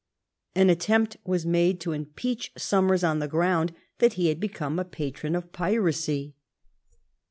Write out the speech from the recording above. An attempt was made to impeach Somers on the ground that he had become a patron of piracy.